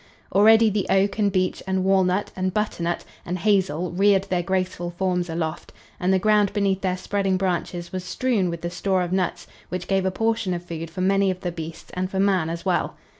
Already the oak and beech and walnut and butternut and hazel reared their graceful forms aloft, and the ground beneath their spreading branches was strewn with the store of nuts which gave a portion of food for many of the beasts and for man as well.